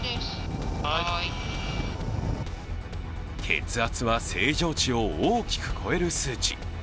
血圧は正常値を大きく超える数値。